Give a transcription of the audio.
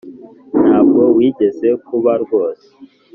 ntabwo wigeze kuba rwose